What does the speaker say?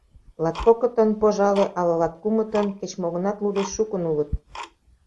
Латкокытын, пожале, ала латкумытын, кеч-мо гынат лу деч шукын улыт.